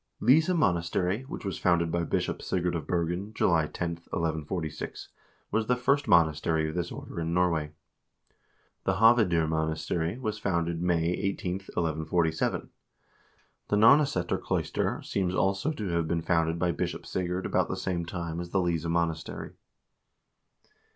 1 Lyse monas tery, which was founded by Bishop Sigurd of Bergen, July 10, 1146, was the first monastery' of this order in Norway. The Hoved0 monastery was founded May 18, 1147. The Nonneseter cloister seems also to have been founded by Bishop Sigurd about the same time as the Lyse monastery.